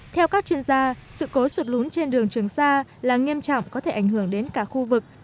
theo các chuyên gia sự cố sụt lún trên đường trường sa là nghiêm trọng có thể ảnh hưởng đến cả khu vực